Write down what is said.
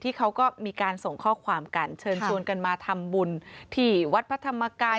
เขาก็มีการส่งข้อความกันเชิญชวนกันมาทำบุญที่วัดพระธรรมกาย